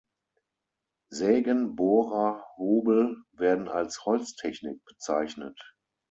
Sägen, Bohrer, Hobel werden als Holztechnik bezeichnet.